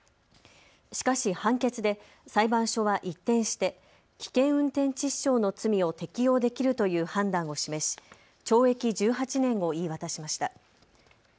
しかし判決で裁判所は一転して危険運転致死傷の罪を適用できるという判断を示し懲役１８年を言い渡しました。